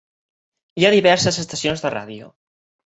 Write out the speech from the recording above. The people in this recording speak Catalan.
Hi ha diverses estacions de ràdio.